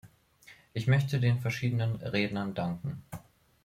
Ich möchte den verschiedenen Rednern danken.